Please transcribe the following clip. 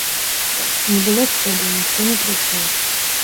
Не было сходу, ніхто не прыйшоў.